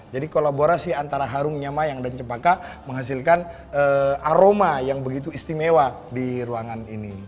jadi kolaborasi antara harumnya mayang dan cempaka menghasilkan aroma yang begitu istimewa di ruangan ini